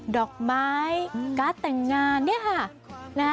ดอกไม้การ์ดแต่งงานนี้ฮะ